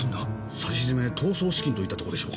さしずめ逃走資金といったとこでしょうかね？